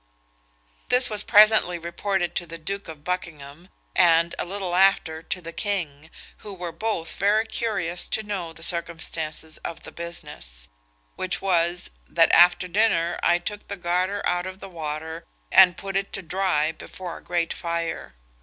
This was presently reported to the Duke of Buckingham, and, a little after, to the king, who were both very curious to know the circumstances of the business; which was, that after dinner I took the garter out of the water, and put it to dry before a great fire.